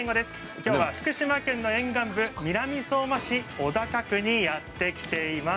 今日は福島県の沿岸部の南相馬市小高区にやって来ています。